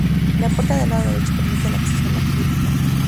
La puerta del lado derecho permite el acceso a la cripta.